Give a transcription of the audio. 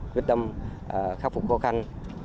quyết tâm khắc phục khó khăn